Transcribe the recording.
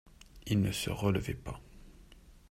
Il ne se relevait pas.